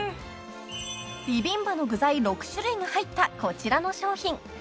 ［ビビンバの具材６種類が入ったこちらの商品］